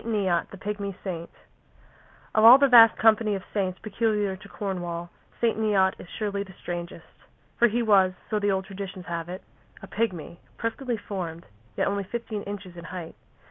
NEOT, THE PIGMY SAINT Of all the vast company of saints peculiar to Cornwall, St. Neot is surely the strangest, for he was, so the old traditions have it, a pigmy, perfectly formed, yet only fifteen inches in height.